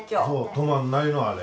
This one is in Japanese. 止まんないのあれ。